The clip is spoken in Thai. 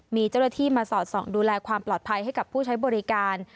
มีเจ้าหน้าที่มาสอดส่องดูแลความปลอดภัยให้กับผู้ใช้บริการ